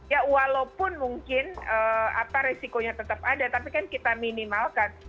ya walaupun mungkin resikonya tetap ada tapi kan kita minimalkan